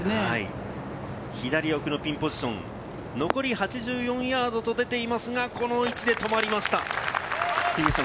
左奥のピンポジション、残り１８４ヤードと出ていますが、この位置で止まりました。